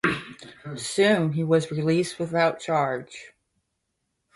Soon he was released without charge.